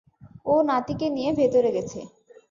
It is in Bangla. ও নাতিকে নিয়ে ভেতরে গেছে।